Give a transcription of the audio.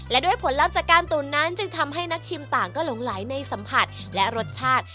และด้วยผลลัพธ์จากการตุ๋นนั้นจึงทำให้นักชิมต่างก็หลงไหลในสัมผัสและรสชาติ